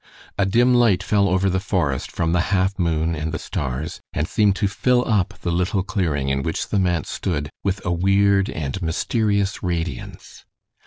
A dim light fell over the forest from the half moon and the stars, and seemed to fill up the little clearing in which the manse stood, with a weird and mysterious radiance.